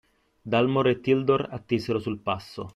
Dalmor e Tildor attesero sul passo